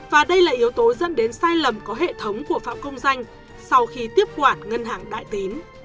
và đây là yếu tố dẫn đến sai lầm có hệ thống của phạm công danh sau khi tiếp quản ngân hàng đại tín